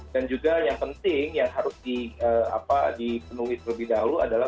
dan juga yang penting yang harus dipenuhi lebih dahulu adalah